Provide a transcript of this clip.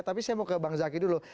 tapi saya mau ke bang zaky dulu